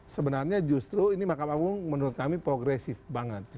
sebenarnya justru ini mahkamah agung menurut kami progresif banget